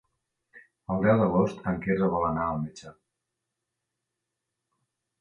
El deu d'agost en Quirze vol anar al metge.